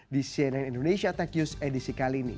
di cnn indonesia tech news edisi kali ini